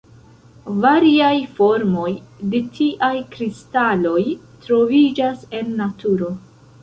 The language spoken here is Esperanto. Variaj formoj de tiaj kristaloj troviĝas en naturo.